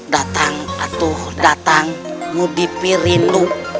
datang atuh datang mudipirindu